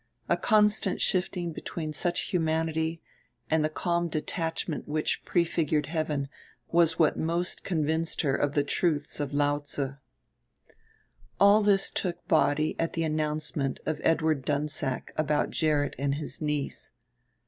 A constant shifting between such humanity and the calm detachment which prefigured heaven was what most convinced her of the truths of Lao tze. All this took body at the announcement of Edward Dunsack about Gerrit and his niece.